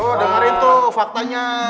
oh dengerin tuh faktanya